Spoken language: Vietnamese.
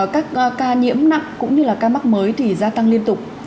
các ca nhiễm nặng cũng như là ca mắc mới thì gia tăng liên tục